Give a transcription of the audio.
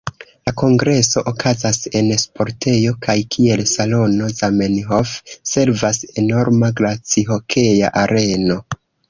La kongreso okazas en sportejo, kaj kiel salono Zamenhof servas enorma glacihokea areno.